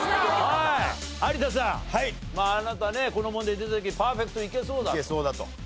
有田さんあなたねこの問題出た時にパーフェクトいけそうだと。